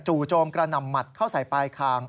โจมกระหน่ำหมัดเข้าใส่ปลายคาง